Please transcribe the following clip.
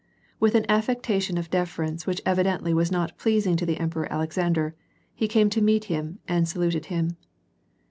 With an affectation of deference, which evidently was not pleasing to the ^mperor Alexander, he came tojneet him and saluted him.